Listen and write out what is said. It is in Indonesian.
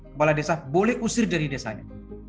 kepala desa boleh usir jadi desanya